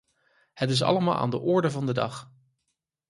Het is allemaal aan de orde van de dag.